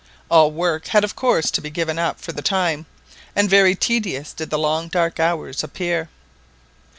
All work had of course to be given up for the time, and very tedious did the long dark hours appear.